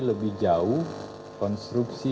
lebih jauh konstruksi